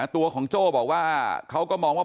ตัวของโจ้บอกว่าเขาก็มองว่า